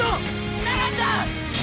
並んだ！